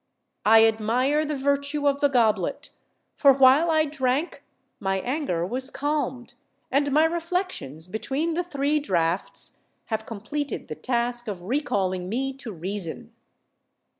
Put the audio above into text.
I admire the virtue of the goblet, for while I drank my anger was calmed, and my reflections between the three draughts have completed the task of recalling me to reason."